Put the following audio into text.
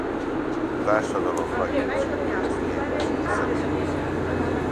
A társadalom nagy többségéhez képest szegény.